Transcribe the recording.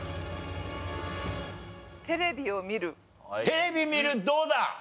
テレビ見るどうだ？